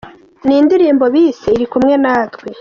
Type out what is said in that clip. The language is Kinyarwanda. Ni indirimbo bise ‘Iri kumwe natwe’.